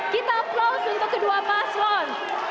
kita aplaus untuk kedua paslon